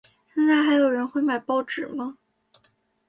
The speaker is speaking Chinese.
现在还有人会买报纸吗？